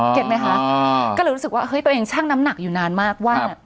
เห็นไหมคะก็เลยรู้สึกว่าเฮ้ยตัวเองช่างน้ำหนักอยู่นานมากว่า